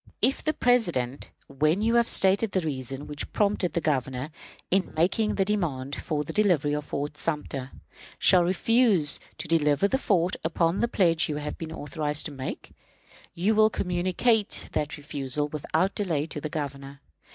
"If the President, when you have stated the reasons which prompt the Governor in making the demand for the delivery of Sumter, shall refuse to deliver the fort upon the pledge you have been authorized to make, you will communicate that refusal without delay to the Governor.